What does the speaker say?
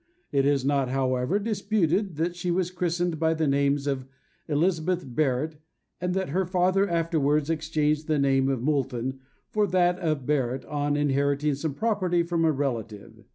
It is not, however, disputed that she was christened by the names of Elizabeth Barrett, and that her father afterwards exchanged the name of Moulton for that of Barrett on inheriting some property from a relative.